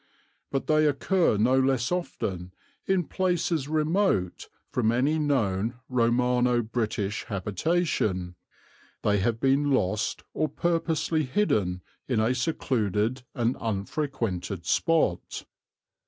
But they occur no less often in places remote from any known Romano British habitation; they have been lost or purposely hidden in a secluded and unfrequented spot."